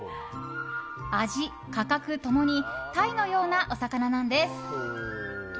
味、価格共にタイのようなお魚なんです。